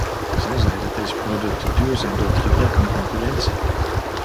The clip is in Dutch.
Zij zei dat deze producten duur zijn door het gebrek aan concurrentie.